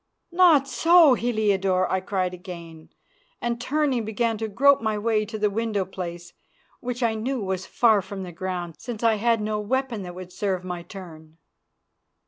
"Not so, Heliodore," I cried again, and, turning, began to grope my way to the window place, which I knew was far from the ground, since I had no weapon that would serve my turn.